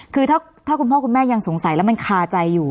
คือถ้าคุณพ่อคุณแม่ยังสงสัยแล้วมันคาใจอยู่